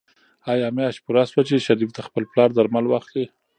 آیا میاشت پوره شوه چې شریف د خپل پلار درمل واخلي؟